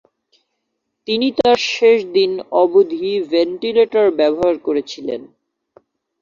তিনি তার শেষ দিন অবধি ভেন্টিলেটর ব্যবহার করেছিলেন।